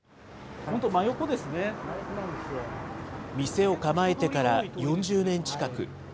店を構えてから４０年近く。